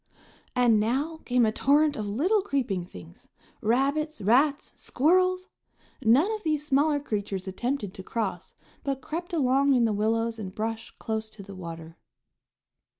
And now came a torrent of little creeping things: rabbits, rats, squirrels! None of these smaller creatures attempted to cross, but crept along in the willows and brush close to the water.